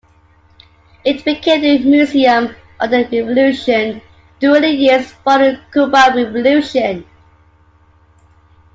It became the Museum of the Revolution during the years following the Cuban Revolution.